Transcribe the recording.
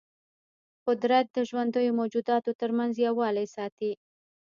قدرت د ژوندیو موجوداتو ترمنځ یووالی ساتي.